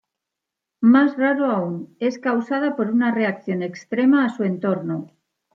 Más raro aún, es causada por una reacción extrema a su entorno.